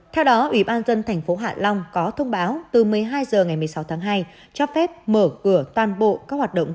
theo đó ủy ban dân thành phố hạ long có thông báo từ một mươi hai h ngày một mươi sáu tháng hai cho phép mở cửa toàn bộ các hoạt động